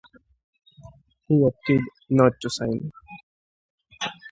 He opted not to sign.